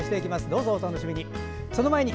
どうぞお楽しみに。